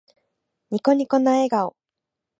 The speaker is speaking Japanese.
ニコニコな笑顔。